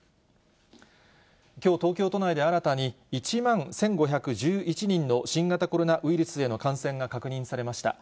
きょう、東京都内で新たに１万１５１１人の新型コロナウイルスへの感染が確認されました。